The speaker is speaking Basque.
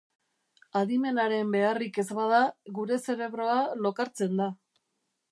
Adimenaren beharrik ez bada, gure zerebroa lokartzen da.